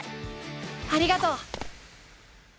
ありがとう！